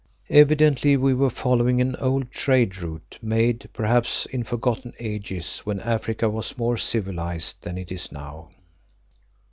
Evidently we were following an old trade route made, perhaps, in forgotten ages when Africa was more civilised than it is now.